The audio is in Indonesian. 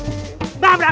dia yang nabrakin sendiri